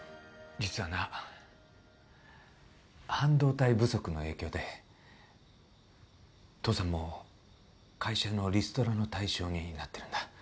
実はな半導体不足の影響で父さんも会社のリストラの対象になってるんだ。